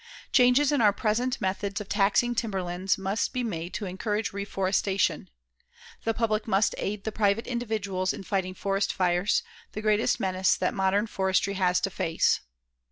Changes in our present methods of taxing timberlands must be made to encourage reforestation. The public must aid the private individuals in fighting forest fires, the greatest menace that modern forestry has to face.